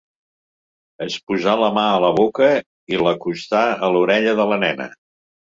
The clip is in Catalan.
Es posà la mà a la boca i l'acostà a l'orella de la nena.